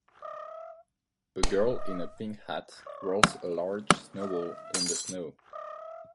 a girl in a pink hat rolls a large snowball in the snow